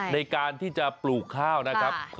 ในการที่จะปลูกข้าวนะครับ